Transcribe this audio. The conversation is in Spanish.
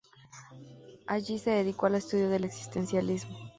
Allí se dedicó al estudio del existencialismo.